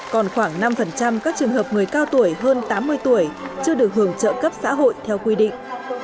còn khoảng năm các trường hợp người cao tuổi hơn tám mươi tuổi chưa được hưởng trợ cấp xã hội theo quy định